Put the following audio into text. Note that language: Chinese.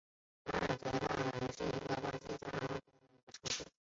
瓦尔泽亚阿莱格里是巴西塞阿拉州的一个市镇。